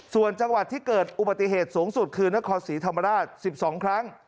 ส่วนจังหวัดที่เกิดอุบัติเหตุสูงสุดคือนครศรีธรรมราช๑๒ครั้ง